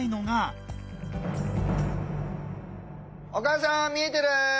お母さん見えてる？